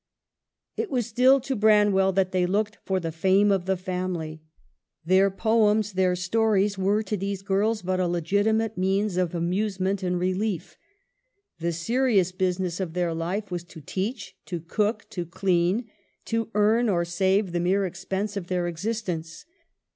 It was still to Branwell that they looked for the fame of the family. Their poems, their stories, were to these girls but a legitimate means of amusement and relief. The serious business of their life was to teach, to cook, to clean ; to earn or save the mere expense of their existence.